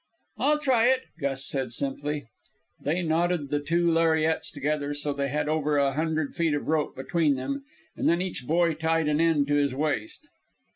"I'll try it," Gus said simply. They knotted the two lariats together, so that they had over a hundred feet of rope between them; and then each boy tied an end to his waist.